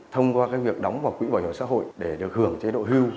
thông qua việc đóng vào quỹ bảo hiểm xã hội để được hưởng chế độ hưu